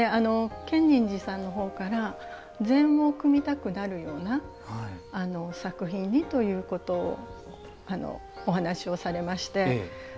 建仁寺さんのほうから禅を組みたくなるような作品にということをお話をされまして。